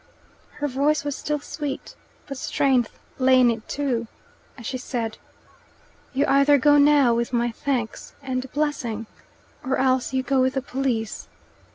Her voice was still sweet, but strength lay in it too, as she said, "You either go now with my thanks and blessing, or else you go with the police.